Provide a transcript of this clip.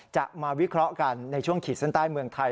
จะมาวิเคราะห์กันในช่วงขีดเส้นใต้เมืองไทย